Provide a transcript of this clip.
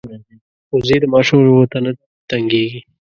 وزې د ماشوم لوبو ته نه تنګېږي